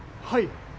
はい。